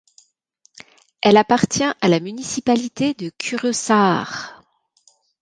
Elle appartient à la municipalité de Kuressaare.